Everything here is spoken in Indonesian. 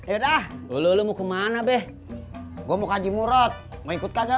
udah dulu mau kemana beh gua mau kaji murot mau ikut kajal